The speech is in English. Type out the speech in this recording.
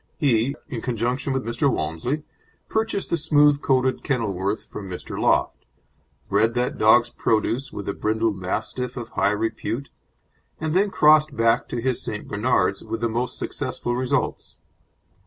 He, in conjunction with Mr. Walmsley, purchased the smooth coated Kenilworth from Mr. Loft, bred that dog's produce with a brindle Mastiff of high repute, and then crossed back to his St. Bernards with the most successful results.